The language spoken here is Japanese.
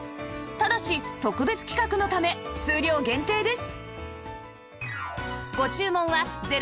ただし特別企画のため数量限定です